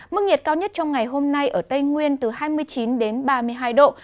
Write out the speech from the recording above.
mức nhiệt cao nhất trong ngày hôm nay ở tây nguyên từ hai mươi chín đến ba mươi hai độ